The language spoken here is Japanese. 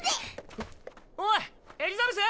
あっおいエリザベス？